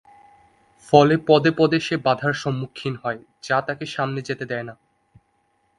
ফলে পদে পদে সে বাধার সম্মুখীন হয় যা তাকে সামনে যেতে দেয় না।